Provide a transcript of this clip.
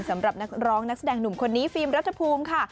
สำหรับนักร้องนักแสดงหนุ่มคนนี้ฟิล์มรัฐภูมิค่ะ